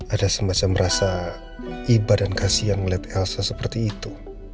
ada semacam rasa iba dan kasihan melihat elsa seperti itu